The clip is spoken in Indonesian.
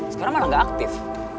sekarang malah gak aktif